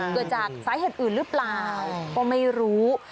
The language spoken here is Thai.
เกิดจากสาเหตุอื่นหรือเปล่าก็ไม่รู้